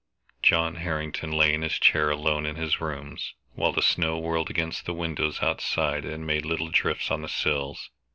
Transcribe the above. John Harrington lay in his chair alone in his rooms, while the snow whirled against the windows outside and made little drifts on the sills.